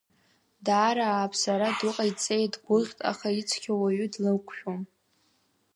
Даара ааԥсара ду ҟаиҵеит, дгәыӷьт, аха ицқьоу уаҩы длықәшәом.